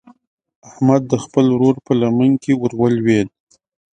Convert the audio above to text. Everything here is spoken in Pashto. احمد د خپل ورور په لمن کې ور ولوېد.